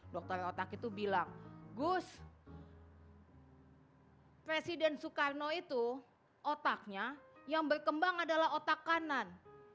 dokter otak itu bilang gus presiden soekarno itu otaknya yang berkembang adalah otak kanan